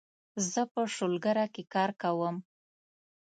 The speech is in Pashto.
زه په شولګره کې کار کوم